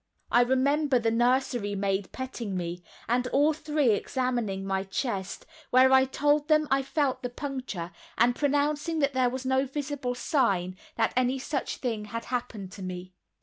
I remember the nursery maid petting me, and all three examining my chest, where I told them I felt the puncture, and pronouncing that there was no sign visible that any such thing had happened to me.